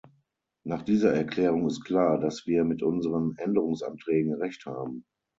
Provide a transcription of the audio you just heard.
Nach dieser Erklärung ist klar, dass wir mit unseren Änderungsanträgen recht haben.